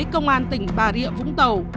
công an tỉnh bà rịa vũng tàu